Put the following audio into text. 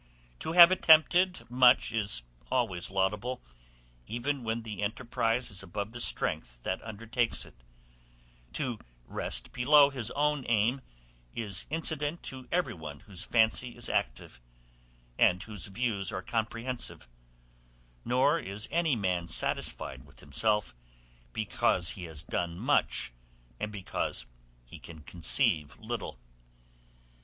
To have attempted much is always laudable, even when the enterprise is above the strength that undertakes it: to rest below his own aim is incident to every one whose fancy is active, and whose views are comprehensive; nor is any man satisfied with himself because he has done much, but because he can conceive little.